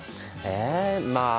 えまあ